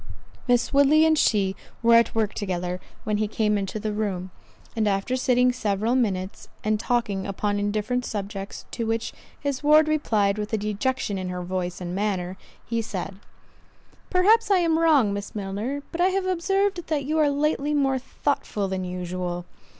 Miss Woodley and she were at work together when he came into the room; and after sitting several minutes, and talking upon indifferent subjects, to which his ward replied with a dejection in her voice and manner—he said, "Perhaps I am wrong, Miss Milner, but I have observed that you are lately more thoughtful than usual."